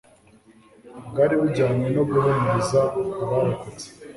bwari bujyanye no guhumuriza abarokotse